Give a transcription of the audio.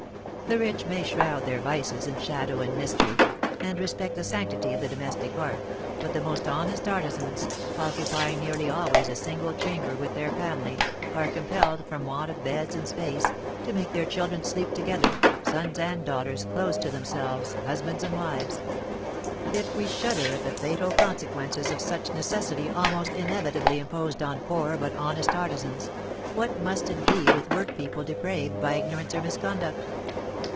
The rich may shroud their vices in shadow and mystery, and respect the sanctity of the domestic hearth, but the most honest artisans, occupying nearly always a single chamber with their family, are compelled, from want of beds and space, to make their children sleep together, sons and daughters, close to themselves, husbands and wives. If we shudder at the fatal consequences of such necessity almost inevitably imposed on poor, but honest artisans, what must it be with workpeople depraved by ignorance or misconduct?